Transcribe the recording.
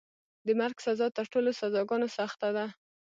د مرګ سزا تر ټولو سزاګانو سخته ده.